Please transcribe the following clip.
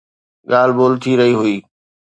ڳالهه ٻولهه ٿي رهي هئي